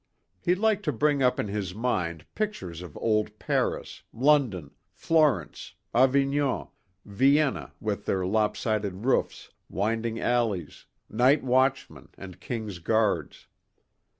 He liked to bring up in his mind pictures of old Paris, London, Florence, Avignon, Vienna with their lopsided roofs, winding alleys, night watchmen and king's guards.